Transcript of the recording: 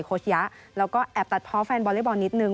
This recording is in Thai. โค้ดย้าแล้วก็แอบตัดเพราะแฟนบอร์เรย์บอลนิดนึง